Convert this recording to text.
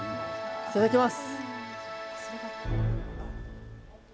いただきます！